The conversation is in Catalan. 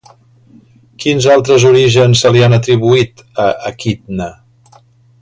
Quins altres orígens se li han atribuït a Equidna?